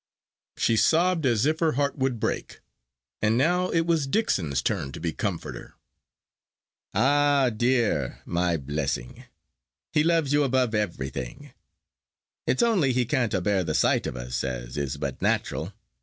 She sobbed as if her heart would break; and now it was Dixon's turn to be comforter. "Ah, dear, my blessing, he loves you above everything. It's only he can't a bear the sight of us, as is but natural.